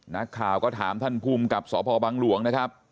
นักข่าวก็ถามท่านภูมิกับสพบังหลวงนะครับ